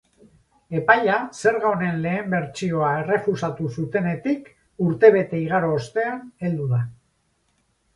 Epaia zerga honen lehen bertsioa errefusatu zutenetik urtebete igaro ostean heldu da.